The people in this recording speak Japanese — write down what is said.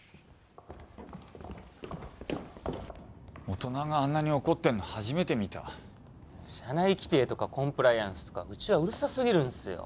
大人があんなに怒ってんの初めて見た社内規定とかコンプライアンスとかうちはうるさすぎるんすよ